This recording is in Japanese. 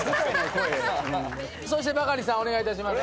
そしてバカリさんお願いします。